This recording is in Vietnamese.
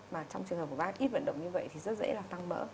mà trong trường hợp của bác ít vận động như vậy thì rất dễ là tăng mỡ